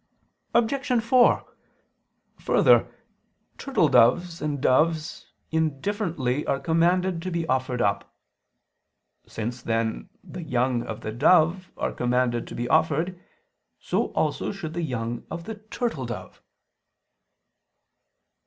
Obj. 4: Further, turtledoves and doves indifferently are commanded to be offered up. Since then the young of the dove are commanded to be offered, so also should the young of the turtledove.